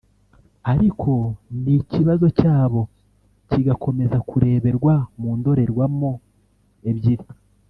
ariko n’ikibazo cyabo kigakomeza kureberwa mu ndorerwamo ebyiri